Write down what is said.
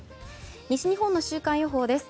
西日本の週間予報です。